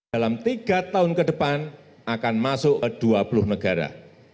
dalam tiga tahun ke depan akan masuk ke dua puluh negara